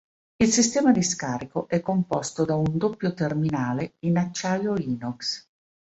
Il sistema di scarico è composto da un doppio terminale in acciaio inox.